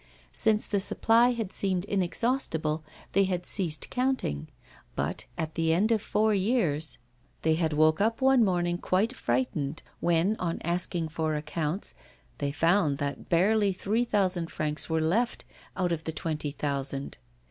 Since the supply had seemed inexhaustible, they had ceased counting. But, at the end of four years, they had woke up one morning quite frightened, when, on asking for accounts, they found that barely three thousand francs were left out of the twenty thousand.